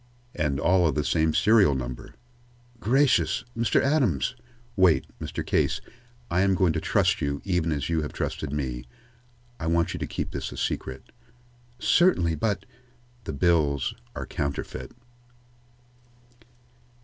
"And all of the same serial number." "Gracious! Mr. Adams " "Wait. Mr. Case, I am going to trust you even as you have trusted me. I want you to keep this a secret." "Certainly, but " "The bills are counterfeit."